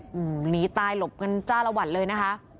หนีตายหลบกันจ้าละวันเลยนะคะ